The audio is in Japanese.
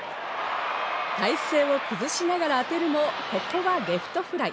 体勢を崩しながら当てるも、ここはレフトフライ。